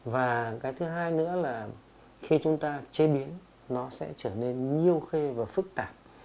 và cái thứ hai nữa là khi chúng ta chế biến nó sẽ trở nên nhiều khê và phức tạp